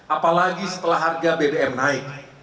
apalagi setelah harga bbm naik